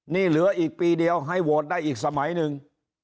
นี่เหลืออีกปีเดียวให้โหวตได้อีกสมัยหนึ่ง